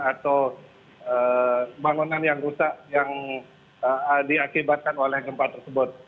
atau bangunan yang rusak yang diakibatkan oleh gempa tersebut